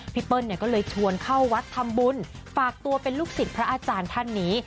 เปิ้ลก็เลยชวนเข้าวัดทำบุญฝากตัวเป็นลูกศิษย์พระอาจารย์ท่านนี้